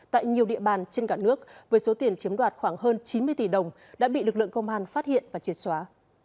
tại nhiều địa bàn trên cả nước với số tiền chiếm đoạt khoảng hơn chín mươi tỷ đồng đã bị lực lượng công an phát hiện và triệt xóa